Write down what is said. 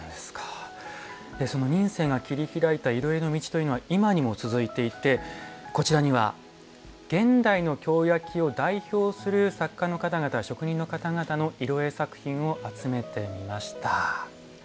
その仁清が切り開いた色絵の道というのは今にも続いていてこちらには、現代の京焼を代表する作家の方々職人の方々の色絵作品を集めてみました。